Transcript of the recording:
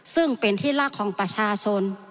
ซึ่งเป็นที่รักของประชาชน